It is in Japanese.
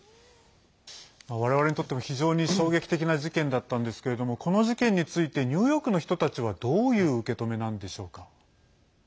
われわれにとっても非常に衝撃的な事件だったんですけれどもこの事件についてニューヨークの人たちはどういう受け止めなんでしょうか。